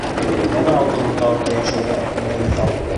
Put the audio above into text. Бына алтын урталыҡта йәшәүгә бер миҫал.